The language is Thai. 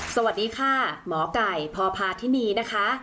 สวัสดีค่ะหมอไก่พพาธินีนะคะ